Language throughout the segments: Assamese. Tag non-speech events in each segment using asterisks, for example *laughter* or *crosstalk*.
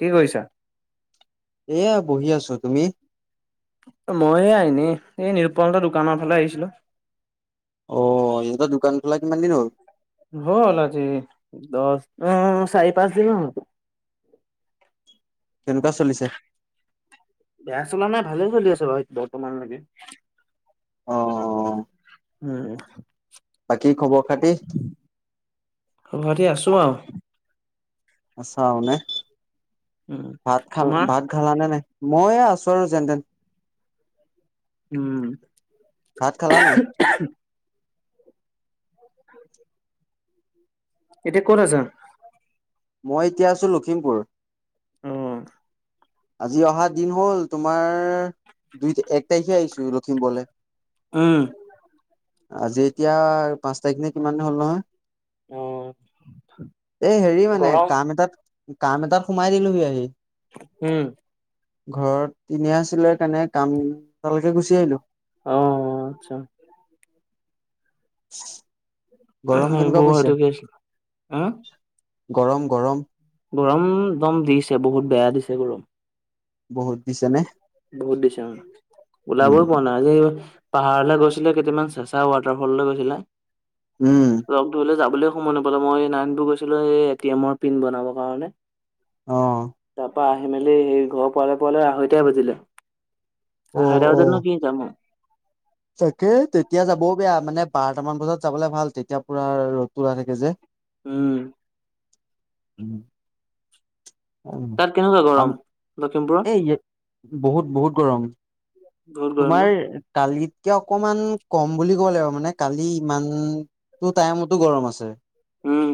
কি কৰিছা এয়া বহি আছো তুমি মই এয়া এনেই নিৰুপণহতৰ দোকানৰ ফালে আহিছিলো অ ইহতৰ দোকান খোলা কিমান দিন হ'ল হল আজি দচ অ চাৰি পাঁচ দিন মান হল কেনেকুৱা চলিছে বেয়া চলা নাই ভালে চলি আছে বাৰু বৰ্তমানলৈকে অ অ উম বাকী খবৰ খাতি খবৰ খাতি আছো আও আছা আও নে উম ভাত খাল তোমাৰ? ভাত খালা নে নাই মই এ আছোঁ আৰু যেনতেন খালা নাই উম *unintelligible* এতিয়া ক'ত আছা মই এতিয়া আছো লখিমপুৰ অ আজি অহা দিন হ'ল তোমাৰ দুই এক টাৰিখে আহিছো লখিমপুৰলে উম আজি এতিয়া পাঁচ তাৰিখ নে কিমান দিন হ'ল নহয় এ হেৰি মানে গৰম কাম এটাত কাম এটাত সোমাই দিলোহি আহি উম ঘৰত ইনে আছিলে কাৰণে কাম তালৈকে গুচি আহিলো অ আচ্ছা গৰম কেনেকুৱা এইবোৰ এইটো পৰিছে। কি আছিলে হা গৰম গৰম গৰম একদম দিছে বহুত বেয়া দিছে গৰম। বহুত দিছে নে। বহুত দিছে উম উম, ওলাবই পোৱা নাই আজি পাহাৰলৈ গৈছিলে কেইটামান চেচা ৱাটাৰ ফললৈ গৈছিলে উম। লগ ধৰিলে যাব। বোলে সময় নাপালো মই নাইনডো গৈছিলো এই এ টি এমৰ পিন বনাবৰ কাৰণে- অ। ত আহি মেলি সেই ঘৰৰ পোৱালে পোৱালে আঢ়ৈ টাই বাজিলে। অ', *unintelligible* নো অ'। কি যাম আও তাকে তেতিয়া যাবও বেয়া মানে বাৰটামান বজাত যাব ভাল তেতিয়া পুৰা ৰ'দটো ওলাই থাকে যে। উম উম তাত কেনেকুৱা উ গৰম লখিমপুৰত এই বহুত বহুত গৰম বহুত গৰম ন তোমাৰ কালগীত এতিয়া অকমান কম বুলি ক'লে আৰু মানে কালি ইমানো টাইমতো গৰম আছে। উম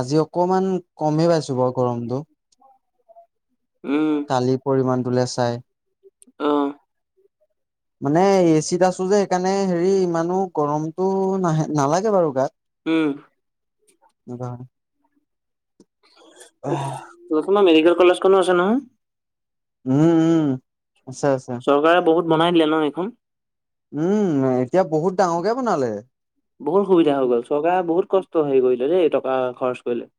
আজি অকমান কমে পাইছো বাৰু গৰমটো উম কালি পৰিমাণটোলে চাই অ *inaudible* মানে এ চিত আছো যে সেইকাৰণে হেৰি ইমানো গৰমটো নাহ নালাগে বাৰু গাত উম। ব প্ৰথমাৰ মেডিকেল কলেজ খনো আছে নহয়। উম উম আছে আছে। চৰকাৰে বহুত বনাই দিলে ন এইখন উম এতিয়া বহুত ডাঙৰকে বনালে। বহুত সুবিধা হৈ গল চৰকাৰে বহুত কষ্ট হেৰি কৰিলে দেই টকা খৰচ কৰিলে।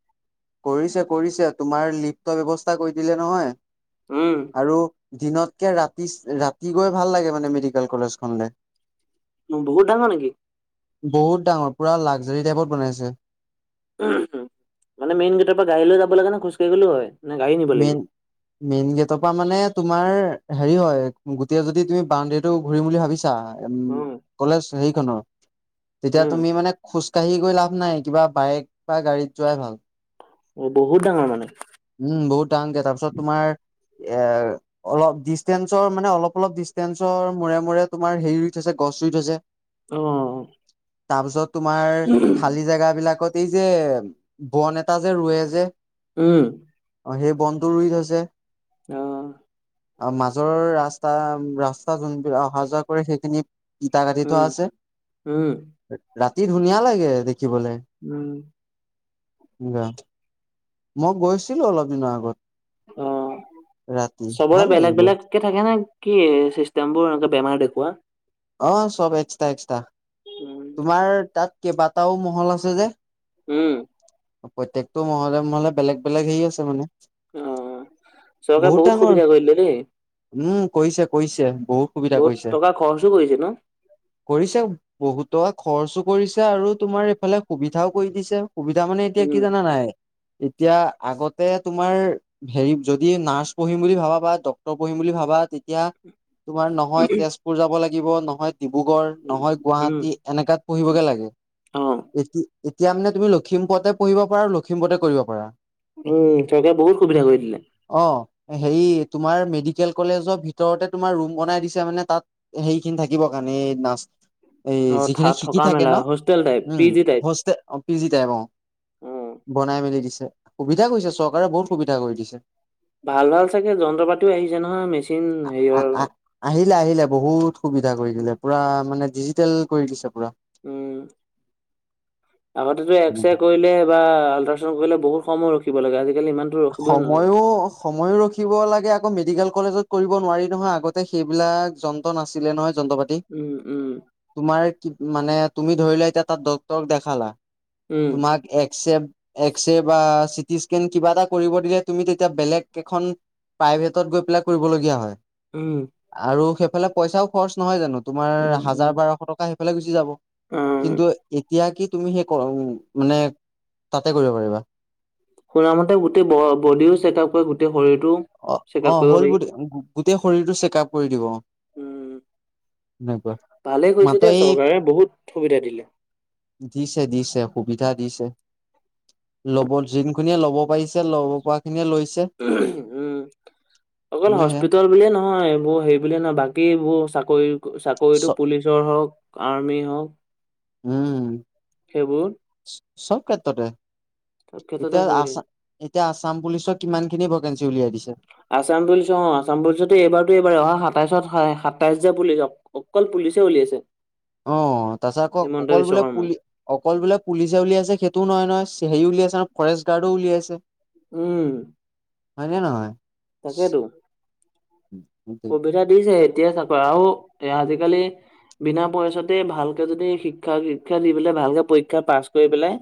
কৰিছে কৰিছে তোমাৰ লিফ্টৰ ব্যৱস্থা কৰি দিলে নহয় উম আৰু দিনতকে ৰাতি ৰাতি গৈ ভাল লাগে মানে মেডিকেল কলেজখনলে বহুত ডাঙৰ নেকি? বহুত ডাঙৰ পুৰা লাকজাৰী টাইপত বনাইছে মানে মেইন গেটৰ পৰা গাড়ী লৈ যাব লগ কাৰে নে খোজকাঢ়ি গ'লও হয়। নে গাড়ী নিব লাগিব মেইন মেইন গেটৰ পৰা মানে তোমাৰ হেৰি হয় গোটেই যদি তুমি বাাৰউণ্ডেৰীতটো ঘুৰিম বুলি ভাবিছা উম কলেজ সেইখনত তেতিয়া উম তুমি মানে খোজ কঢ়ি গৈ লাভ নাই কিবা বাইক বা গাড়ীত যোৱাই ভাল অ বহুত ডাঙৰ মানে। উম বহুত দাঙকে তাৰপিছত তোমাৰ এ অলপ ডিচটেঞ্চৰ মানে অলপ অলপ ডিচষ্টেঞ্চৰ মূৰে মূৰে তোমাৰ হেৰি ৰুইথৈছে গছ। চুইথৈছে। অ। তাৰপিছত তোমাৰ খালী জেগ বিলাকত এই যে বন এটা যে ৰোৱে যে। উম। অ সেই বনটো ৰুই থৈছে অ অ মাজৰৰ ৰাস্তা ৰাচ যোনবিলাক অহা যোৱা কৰে সেইখিনি ইটা কাটি থোৱা উম আছে। উম ৰাতি ধুনীয়া লাগে দে উম মই গৈছিলো অলপ দিনৰ আগত অ ৰাতি ভাল চবৰে লাগে বেলেগ গৈ বেলেগকে থাকে নে? কি চিষ্টেম বোৰ এনেে বেমাৰ দেখুওৱা অ চব এক্সট্ৰা এক্সট্ৰা উম তোমাৰ তাত কেইবাটাও মহল আছে যে উম প্ৰত্যেকতটো মহলে মহলে বেলেগ বেলেগ হে আছে মানে অ চৰকাৰে বহুত সুবিধা কৰিলে দেই উম কৰিছে কৰিছে বহুত সুবিধা কৰিছে টকা খৰচো কৰিছে ন কৰিছে বহুতক খৰচো কৰিছে আৰু তোমাৰ এইফালে সুবিধাও কৰি দিছে সুবিধা মানে এতিয়া কি উম জানা নাই এতিয়া আগতে তোমাৰ হেৰি যদি নাৰ্চ পঢ়িম বুলি ভাবা বা ডক্ৰৰ পঢ়িম বুলি ভাবা তেতিয়া তোমাৰ নহয় তেজপুৰ যাব লাগিব নহয় ডিব্ৰুগড় নহয় উম গুৱাহাটী এনেকাত পঢ়িবগে লাগে অ এ এতিয়া মানে তুমি লখিমপুৰতে পঢ়িব পাৰা আৰু লখিমপুৰতে কৰিব পাৰা উম চৰকাৰে বহুত সুবিধা কৰি দিলে অ' হেৰি তোমাৰ মেডিকেল কলেজৰ ভিতৰতে তোমাৰ ৰুম বনাই দিছে মানে তাত সেইখিনি থাকিব কাৰণে এই নাচ এই অ থা যিখিনি শিকি থকা থাকে মেলা ন hostel type P um G type হস্তে অ পি জি টাইপ অ অ বনাই মেলি দিছে সুবিধা কৰিছে চৰকাৰে বহুত সুবিধা কৰি দিছে ভাল ভাল চাগে যন্ত্ৰ পাতিও আহিছে নহয় মেচিন হেৰিয়ৰ আহ আহিলে আহিলে বহুত সুবিধা কৰি দিলে পুৰা মানে ডিজিটেল কৰি দিছ উম আগতেটো এক্সৰে কৰিলে বা আল্ট্ৰাচাউন কৰিলে বহুত সময় ৰখি সময়ো সময়ো ৰখিব লাগে আকৌ মেডিকেল কলেজত কৰিব নোৱাৰি নহয় আগতে সেইবিলাক যন্ত্ৰ নাছিলে নহয় যন্ত্ৰ পাতি উম, উম, তোমাৰ কি মানে তুমি ধৰি লোৱা এতিয়া তাত ডক্টৰকদেখালা উম, তোমাক এক্স এক্স বা চিটি স্কেন কিবা এটা কৰিব দিলে তুমি তেতিয়া বেলেগ এখন প্ৰাইভেটত গৈ পেলাই কৰিবলগীয়া হয় উম, আৰু সেইফালে পইচাও খৰচ নহয় জানো তোমাৰ উম, হাজাৰ উম, বাৰশ টকা সেইফালে গুচি যাব উম। কিন্তু এতিয়া কি তুমি সেই মানে তাতে কৰিব পাৰিবা শুন মতে গোটেই বডিও চেক আপ কৰে গোটেই শৰীৰ অ অ হ'ল বড গোটেই শৰীৰটো চেকআপ কৰি দিব। সেনেকুৱা পালে গৈছে মাত্ৰ যে এই চৰকাৰে বহুত সুবিধা দিলে। দিছে দিছে সুবিধা দিছে। ল'ব যোনখিনিয়ে ল'ব পাৰিছে ল'ব পৰা খিনিয়ে লৈছে। উ। উম অকল খিনি সেয়া হস্পিতল বুলিয়ে নহয় এইবোৰ হেৰি বুলিয়ে নহয় বাকী এইবোৰ চাকৰি। চাকৰিতটো চ পুলিচৰ হওক আৰ্মি হওক। উম সেইবোৰ চব কেতেততে। চব ক্ষেত্ৰতে এতিয়া আ সুবিধা এতিয়া আছাম পুলিচক কিমান খিনি ভেকেঞ্চি উলিয়াই দিছে। আছাম পুলিছ অ আছাম পুলিচ এইবাৰতো এইবাৰ অহা সাত। সাতাইশত সাতাইশ যে পুলিচ অকল পুলিচে উলিয়াইছে। অ তাৰ পাছত আকৌ হিমন্ত অকল বিশ্ব বোলে শৰ্মাই পুলি অকল বোলে পুলি চউলি আছে সেইটো নহয় নহয়। স হেৰি উলিয়াইছে আৰু ফৰেষ্ট গাৰ্ডও উলিয়াইছে। উম। হয় জে নহয়। তাকেতো সুবিধা দিছে স। এতিয়া চাক আৰু এ আজিকালি। বিনা পইচাতে ভালকে যদি শিক্ষা শিক্ষা দি পেলাই ভালকে পৰীক্ষা পাছ কৰি পেলাই।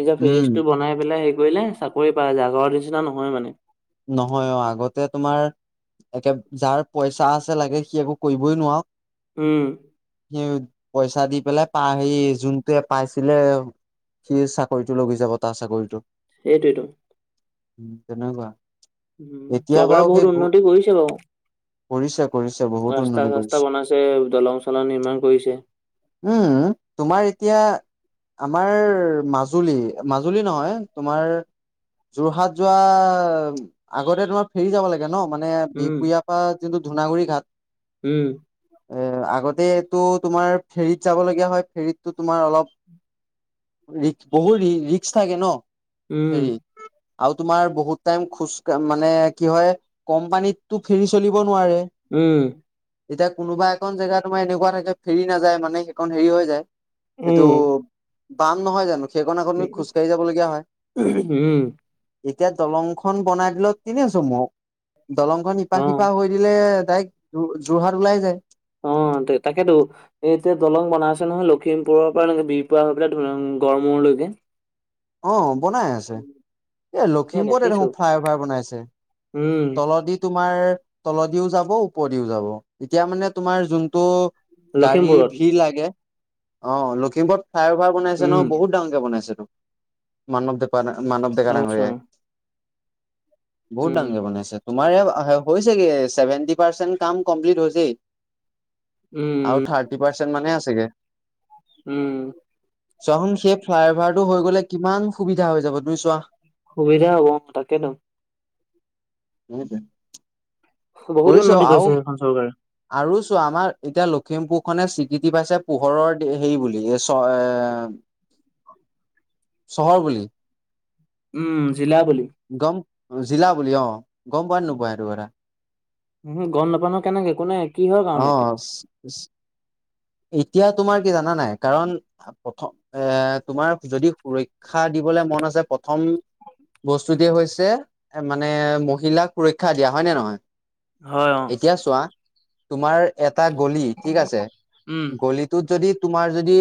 নিজৰ ফিৰিটো উম বনাই পেলাই হেৰি কৰিলে চাকৰি পায় জাগৰ নিচিনা নহয় মানে। নহয় অ আগতে তোমাৰ একে যাৰ পইচা আছে লাগে। কি একো কৰিবই নোৱাৰ। উম সেই পইচা দি পেলাই পা সে যোনটোৱে পাইছিলে। সি চাকৰিতটো লগি যাব তাৰ চাকৰিটো। এইটোৱে টো। উম তেনেকুৱা। উম এতিয়া গৰা বাৰু সেই বহুত উন্নতি কৰিছে বাৰু। কৰিছে কৰিছে বহুত ৰাস্তা উন্নতি চাস্তা কৰিছে বনাইছে দলং চলং নিৰ্মাণ কৰিছে। উম তোমাৰ এতিয়া। আমাৰ মাজুলী মাজুলী নহয় তোমাৰ। যোৰহাট যোৱা। আগতে তোমাৰ ফেৰি যাব লাগে ন মানে উম বিহপুৰীয়াৰ পৰা যোনটো ধুনাগুৰি ঘাট। উম। এ আগতেটো তোমাৰ ফেৰীত যাব লগীয়া হয় ফেৰীততো তোমাৰ অলপ। বহুত ৰি্কছ থাকে ন। উম। ফেৰীত আৰু তোমাৰ বহুত টাইম খোজকাঢ মানে কি হয় কম পানীটো ফেৰি চলিব নোৱাৰে। উম। যেতিয়া কোনোবা এখন জেগা তোমাৰ এনেকুৱা থাকে ফেৰি নাযায় মানে সেইখন হেৰি হৈ যায়। এইটো উম বাম নহয় জানো। সেইকনাখনি খোজকাঢ়ি যাবলগীয়া হয়। উম এতিয়া দলং খন বনাই দিলো তিনেছো মোক দলং খন ইপা অ শিপা হৈ দিলে। তাইক যোৰহাট ওলাই যায়। অ তাকেতো এ এতিয়া দলং বনাই আছে নহয় লখিমপুৰৰ পৰা এনেকে বিৰপুৱ হৈ পেলাই গৰমৰ লৈ। *unintelligible* অ বনাই আছে এ তাকে লখিমপুৰতে দেখিছো দেখোন ফ্লাইঅভাৰ বনাইছে। উম তলদি তোমাৰ। তলদিও যাব ওপৰ দিও যাব এতিয়া মানে তোমাৰ যোনটো। গাড়ীৰ লখিমপুৰত ভিৰ লাগে অ লখিমপুৰ। ফাই অভাৰ বনাইছে নহ উম বহুত ডাঙকে বনাইছে তো মানৱ দে। মানৱ দেকা আচ্ছা আাঙৰিয়াই। বহুত উম ডাঙৰকে বনাইছে। তোমাৰে হৈছেগে? চছেভেনটি পাৰ্চেন্ট কাম কমপ্লিট হৈছেই। আৰু উম থাৰ্টি পাৰ্চেন্ট মানে আছেগে। উম! চোৱা চোৱা, সেই, ফ্লাই অভাৰটো হৈ গ'লে কিমান সুবিধা হৈ যাব। তুমি চোৱা! সুবিধা হ'ব। তাকেতো! *unintelligible* বহুত কৰিছ উন্নতি আৰু? কৰিছে সেইখন চৰকাৰে আৰু আমাৰ এতিয়া লখিমপুৰখনে স্বীকৃতি পাইছে, পোহৰৰ হেৰি বুলি। এ, চ' এ, চহৰ বুলি। উম, জিলা বুলি। গম জিলা বুলি অ'! গম পোৱা নোপোৱা সেইটো কথা? উম, গম নাপাওঁ নহয়। কেনেকে, কোনে, কি হয় সেইটো কথা কাৰণে? অ এতিয়া, তোমাৰ কি জানা নাই? কাৰণ, প্ৰথম এ, তোমাৰ যদি সুৰক্ষা দি দিবলে মন আছে প্ৰথম বস্তু দিয়া হৈছে। এ, মানে, মহিলাক সুৰক্ষা দিয়া। হয় নে নহয়? হয় অ এতিয়া চোৱা, তোমাৰ এটা গলি ঠিক আছে। উম গলিটোত যদি তোমাৰ যদি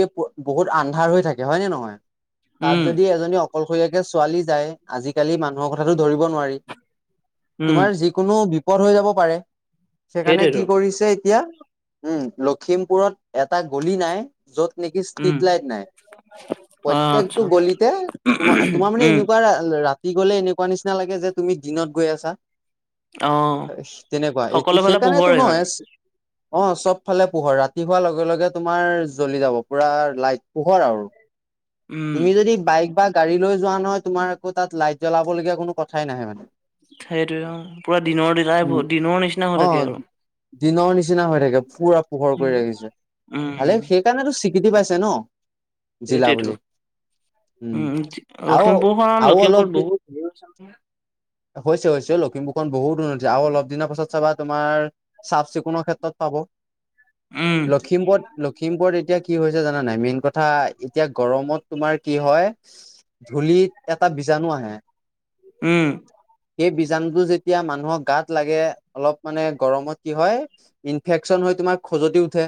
বহুত আন্ধাৰ হৈ থাকে। হয় নে নহয়? তাত উম যদি এজনী অকলশৰীয়া যে ছোৱালী যায়। আজিকালি মানুহৰ কথাটো ধৰিব নোৱাৰি। উম তোমাৰ যিকোনো বি বিপদ হৈ যাব পাৰে। সেইকাৰণে, সেইটোৱেতো কি কৰিছে, এতিয়া উম লখিমপুৰত এটা গলি নাই, য'ত নেকি ষ্ট্ৰিট উম লাইট নাই। অ প্ৰত্যেকটো আচ্ছা গলিতে তোমাৰ, তোমাৰ মানে, উম এনেকুৱা ৰাতি ৰাতি গ'লে এনেকুৱা নিচিনা লাগে যে, তুমি দিনত গৈ আছা। অ তেনেকুৱা, সকলো এতিয়া ফালে সেইকাৰণেতো পোহৰে ন' হৈ মানে আছে। অহ'! চব ফালে, পোহৰ। ৰাতি হোৱাৰ লগে, লগে, তোমাৰ জ্বলি যাব। পোৰা লাইট পোহৰ আৰু। উম তুমি যদি বাইক বা গাড়ী লৈ যোৱা নহয়। তোমাৰ আকৌ, তাত লাইট জ্বলাবলগীয়া কোনো কথাই নাহে মানে। সেইটোৱে, অহ'! পোৰা উম। দিনৰ দিনৰ নিচিনা হৈ অ থাকে আৰু। দিনৰ নিচিনা হৈ থাকে পোৰা পোহৰ কৰি উম ৰাখিছে। ভালে! উম সেইকাৰণেতো স্বীকৃতি পাইছে ন'। জিলা সেইটোৱেতো বুলি। উম, আৰু লখিমপুৰখন, আৰু অলপ লখিমপুৰত দি বহুত হৈছে, হৈছে। লখিমপুৰখন বহুত উন্নতি। আৰু অলপ দিনৰ পাছত চাবা তোমাৰ চাফ চিকুণৰ ক্ষেত্ৰত পাব। উম লখিমপুৰত, লখিমপুৰত, এতিয়া কি হৈছে জানা নাই। মেইন কথা এতিয়া গৰমত তোমাৰ কি হয় ধূলিত এটা বীজাণু আহে। উম! সেই বীজাণুটো যেতিয়া, মানুহক গাত লাগে অলপ মানে, গৰমত কি হয়, ইনফেকচন হৈ তোমাৰ খজুৱতি উঠে।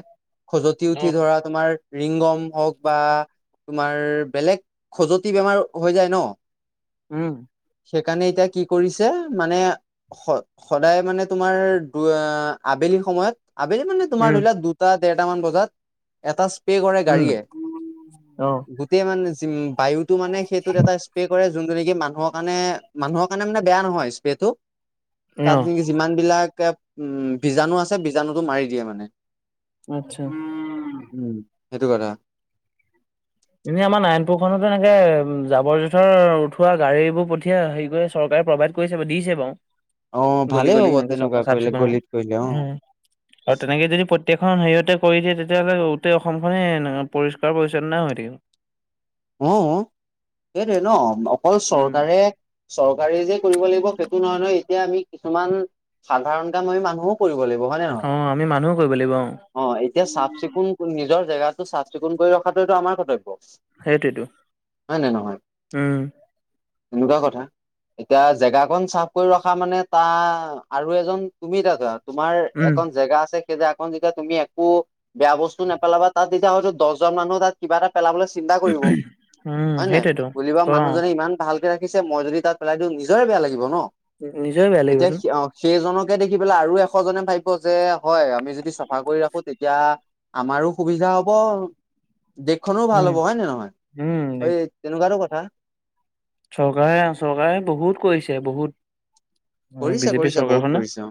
খজুৱতি অ উঠি ধৰা তোমাৰ ৰিংগম হওঁক বা তোমাৰ, বেলেগ খজুৱতি বেমাৰ হৈ যায় ন'। উম! সেইকাৰণে, এতিয়া কি কৰিছে, মানে, স সদায় মানে, তোমাৰ দু আবেলি সময়ত আবেলি মানে, তোমাৰ উম ধৰি লোৱা দুটা, ডেৰটামান বজাত এটা স্প্ৰে কৰে উম গাড়ীয়ে। অ গোটেই মানে, বায়ুটো মানে, সেইটোত এটা স্প্ৰে কৰে। যোনটো নেকি, মানুহৰ কাৰণে, মানুহৰ কাৰণে বেয়া নহয় স্প্ৰেটো। অ তাত নেকি, যিমান বিলাক বীজাণু আছে। বীজাণুটো মাৰি দিয়ে মানে। আচ্ছা! উম। সেইটো কথা। এনেই আমাৰ নাৰায়ণপুৰ খনতো এনেকে, উম, জাবৰ জোঁথৰ উঠোৱা গাড়ীবোৰ পঠিয়া হেৰি চৰকাৰে চৰকাৰে প্ৰভাইড কৰি দিছে বাৰু। অ গলী ভালেই গলী হ'ব এনেকে তেনেকুৱা চ চাফ কৰিলে চিকুণ আৰু। গলিত কৰিলে অ তেনেকে যদি গোটেইখন হেৰিয়তে কৰি দিয়ে, তেতিয়াহ'লে গোটেই অসমখনে পৰিষ্কাৰ পৰিচ্ছন্ন হৈ থাকিব। অ, সেইটোৱে ন। অকল উম চৰকাৰে চৰকাৰে যে কৰিব লাগিব, সেইটো নহয় নহয়। এতিয়া আমি কিছুমান সাধাৰণ কাম আমি মানুহও কৰিব লাগিব। গৰমে নে অ আমি মানুহ কৰিব লাগিব অ নহয়। অ এতিয়া চাফ চিকুণ নিজৰ জেগাটো চাফ চিকুণ কৰি ৰখাটো এইটো আমাৰ কৰ্তব্য। সেইটোৱেতো হয় নে নহয়? উম। তেনেকুৱা কথা। এতিয়া জেগাকন চাফ কৰি ৰখা মানে, তাৰ আৰু এজন তুমি ত তোমাৰ উম এখন জেগা আছে, এই যে আকৌ যেতিয়া তুমি একো বেয়া বস্তু নেপেলাবা, তাত যেতিয়া হয়তো দহজন মানুহ তাত কিবা এটা পেলাবলৈ চিন্তা কৰিব, উম হয় নহয়। সেইটোৱেতো বুলি ক মানুহজনে ইমান ভালকে ৰা পিছে, মই যদি তাত পেলাই দিওঁ নিজৰে বেয়া লাগিব ন। নিজৰে বেয়া এতিয়া লাগিবতো সেইজনক তোকে দেখি পেলাই আৰু এশজনে ভাবিব যে, হয় আমি যদি চাফা কৰি ৰাখো তেতিয়া আমাৰো সুবিধা হব, দেশখনো ভাল উম হ'ব হয় নে নহয় উম হয় তেনেকা। বাৰো কথা। চৰকাৰে চৰকাৰে বহুত কৰিছে বহুত। কৰিছে বিজেপি কৰিছে বহুত চৰকাৰখনে। কৰিছে অ।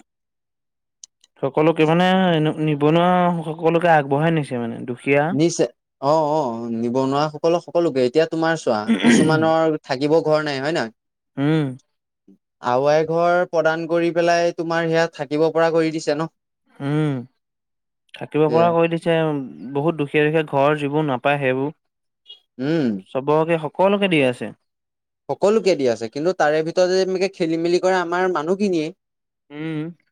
সকলোকে মানে এনে নিবনুৱা সকলোকে আগবঢ়াই নিছে মানে, দুখ নিচে। অহ অক্ষ নিবনুৱাসকলৰ সকলোকে। এতিয়া তোমাৰ চোৱা, কিছুমানৰ থাকিব ঘৰ নাই হয় নে নহয় উম। আৱাই ঘৰ প্ৰদান কৰি পেলাই তোমাৰ সেয়া থাকিব পৰা কৰি দিছে ন। উম থাকিব এ পৰা কৰি দিছে। বহুত দুখী- য়া দুখীয়া ঘৰ যিবোৰ নাপায়, সেইবোৰ উম চবকে সকলোকে দি আছে। সকলোকে দি আছে। কিন্তু তাৰে ভিততে এনেকে খেলি মেলি কৰা আমাৰ মানুহখিনিয়ে। উম।